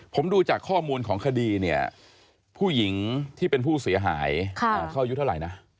ผมดูจากข้อมูลของคดีเนี่ยผู้หญิงที่เป็นผู้เสียหายเขาอายุเท่าไหร่นะ